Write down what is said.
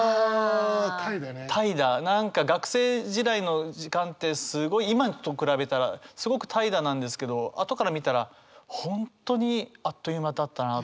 何か学生時代の時間ってすごい今と比べたらすごく怠惰なんですけど後から見たら本当にあっという間だったなと。